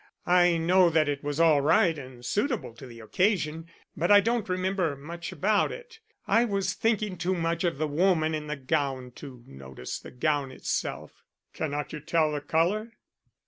I know that it was all right and suitable to the occasion, but I don't remember much about it. I was thinking too much of the woman in the gown to notice the gown itself." "Cannot you tell the color?"